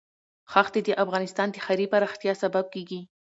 ښتې د افغانستان د ښاري پراختیا سبب کېږي.